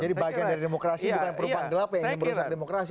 jadi bagian dari demokrasi bukan perubahan gelap yang merusak demokrasi